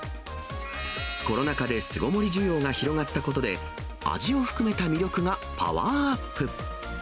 コロナ禍で巣ごもり需要が広がったことで、味を含めた魅力がパワーアップ。